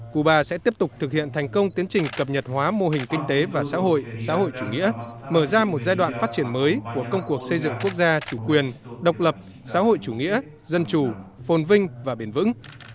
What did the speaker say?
cuba sẽ tiếp tục thực hiện thành công tiến trình cập nhật hóa mô hình kinh tế và xã hội xã hội chủ nghĩa mở ra một giai đoạn phát triển mới của công cuộc xây dựng quốc gia chủ quyền độc lập xã hội chủ nghĩa dân chủ phồn vinh và bền vững